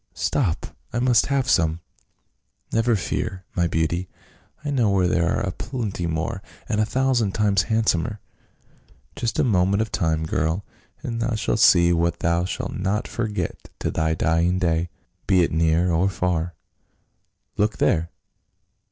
Stop, I must have some !"" Never fear, my beauty, I know where there are a plenty more, and a thousand times handsomer. Just a moment of time, girl, and thou shalt see what thou shalt not forget to thy dying day — be it near or far. Look there